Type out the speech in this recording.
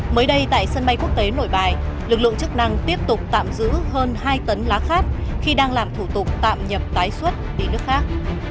mới đây tại sân bay quốc tế nội bài lực lượng chức năng tiếp tục tạm giữ hơn hai tấn lá khát khi đang làm thủ tục tạm nhập tái xuất đi nước khác